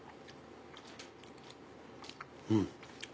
うん！